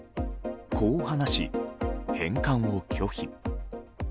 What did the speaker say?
こう話し、返還を拒否。